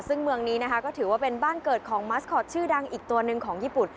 ซึ่งเมืองนี้นะคะก็ถือว่าเป็นบ้านเกิดของมัสคอตชื่อดังอีกตัวหนึ่งของญี่ปุ่น